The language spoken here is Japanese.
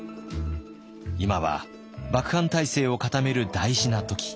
「今は幕藩体制を固める大事な時。